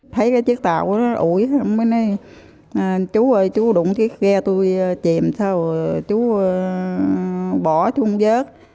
thấy cái chiếc tàu nó ủi ông mới nói chú ơi chú đụng cái ghe tôi chìm chú bỏ chú không dớt